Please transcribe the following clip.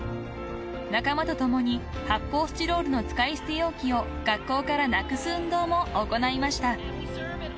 ［仲間と共に発泡スチロールの使い捨て容器を学校からなくす運動も行いました］